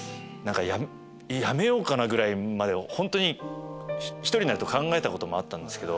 やめようかなぐらいまで本当に１人になると考えたこともあったんですけど。